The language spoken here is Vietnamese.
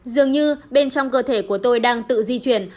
dường như bên trong cơ thể của tôi đang tự di chuyển